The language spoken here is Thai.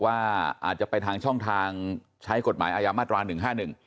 ว่าอาจจะไปทางช่องทางใช้กฎหมายอายามาตราหนึ่งห้าหนึ่ง